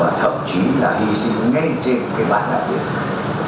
và thậm chí là hy sinh ngay trên bán đạo việt